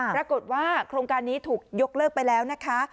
ปรากฏว่าโครงการนี้ถูกยกเลิกไปแล้วนะคะ